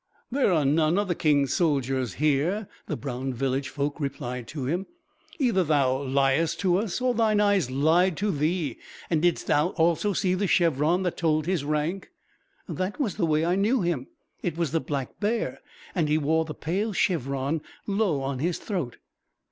"There are none of the King's soldiers here," the brown village folk replied to him. "Either thou liest to us, or thine eyes lied to thee. And didst thou also see the chevron that told his rank?" "That was the way I knew him. It was the black bear, and he wore the pale chevron low on his throat."